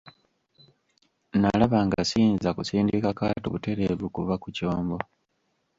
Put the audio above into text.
Nalaba nga siyinza kusindika kaato butereevu kuva ku kyombo.